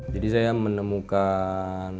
jadi saya menemukan